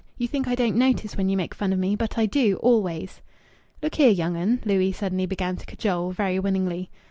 "You think I don't notice when you make fun of me. But I do always." "Look here, young 'un," Louis suddenly began to cajole, very winningly.